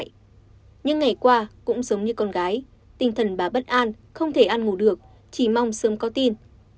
những ngày qua cũng giống như con gái tinh thần bà bất an không thể ăn ngủ được chỉ mong sớm có tin